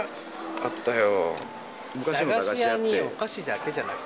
あったよ。